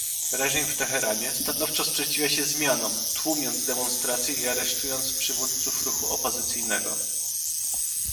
Reżim w Teheranie stanowczo sprzeciwia się zmianom, tłumiąc demonstracje i aresztując przywódców ruchu opozycyjnego